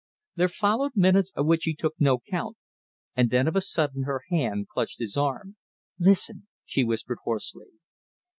There followed minutes of which he took no count, and then of a sudden her hand clutched his arm. "Listen," she whispered hoarsely.